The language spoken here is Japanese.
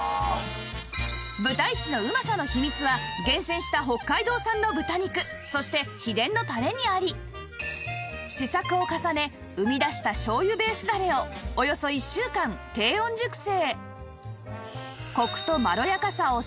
ぶたいちのうまさの秘密は厳選した北海道産の豚肉そして秘伝のタレにあり試作を重ね生み出した醤油ベースダレをおよそ１週間低温熟成